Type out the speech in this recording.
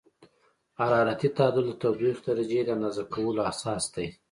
حرارتي تعادل د تودوخې درجې د اندازه کولو اساس دی.